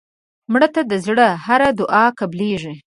مړه ته د زړه هره دعا قبلیږي